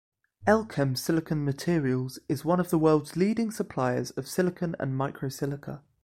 Elkem Silicon Materials is one of the world's leading suppliers of silicon and microsilica.